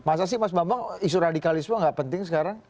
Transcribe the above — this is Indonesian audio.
masa sih mas bambang isu radikalisme nggak penting sekarang